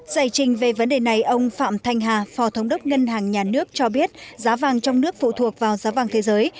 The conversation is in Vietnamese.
giải trình về vấn đề này ông phạm thanh hà phò thống đốc ngân hàng nhà nước cho biết giá vàng trong nước phụ thuộc vào giá vàng thế giới